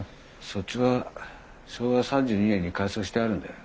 そっちは昭和３２年に改装してあるんだよ。